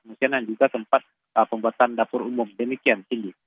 dan juga tempat pembuatan dapur umum demikian